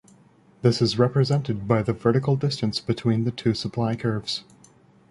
This is represented by the vertical distance between the two supply curves.